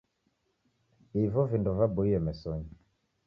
Ivi vindo vaboie mesonyi.